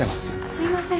すいません。